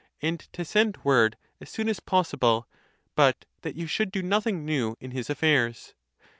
and to send word as soon as possible; but that you should do nothing new in his affairs.